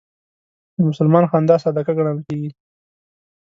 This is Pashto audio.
د مسلمان خندا صدقه ګڼل کېږي.